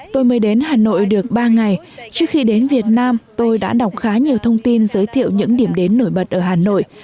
tôi mới đến hà nội được ba ngày trước khi đến việt nam tôi đã đọc khá nhiều thông tin giới thiệu những điểm đến nổi bật ở hà nội